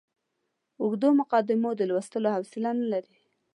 اوږدو مقدمو د لوستلو حوصله نه لري.